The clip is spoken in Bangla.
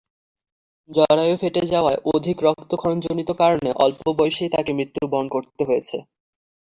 জরায়ু ফেটে যাওয়ায় অধিক রক্তক্ষরণজনিত কারণে অল্প বয়সেই মৃত্যুবরণ করতে হয়েছে তাকে।